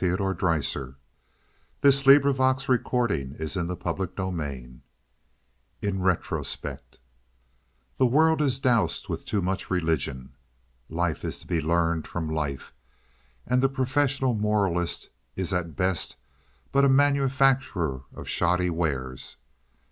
For answer— How strange are realities as opposed to illusion! In Retrospect The world is dosed with too much religion. Life is to be learned from life, and the professional moralist is at best but a manufacturer of shoddy wares.